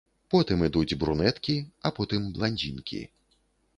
Потым ідуць брунеткі, а потым бландзінкі.